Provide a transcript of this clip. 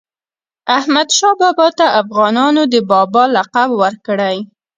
احمدشاه بابا ته افغانانو د "بابا" لقب ورکړی.